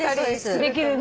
できるね。